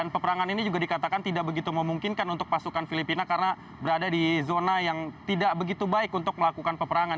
peperangan ini juga dikatakan tidak begitu memungkinkan untuk pasukan filipina karena berada di zona yang tidak begitu baik untuk melakukan peperangan